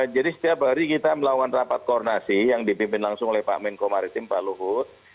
jadi setiap hari kita melawan rapat koordinasi yang dipimpin langsung oleh pak menko maritim pak luhut